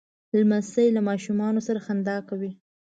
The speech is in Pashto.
لمسی له ماشومانو سره خندا کوي.